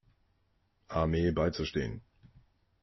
Armee beizustehen.